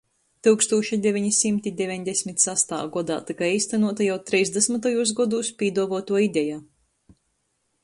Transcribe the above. Tyukstūša deveni symti deveņdesmit sastā godā tyka eistynuota jau treisdasmytajūs godūs pīduovuotuo ideja